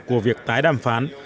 của việc tái đàm phán